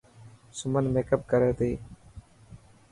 سمن ميڪپ ڪري تي.